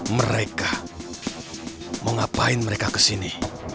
mereka mengapain mereka kesini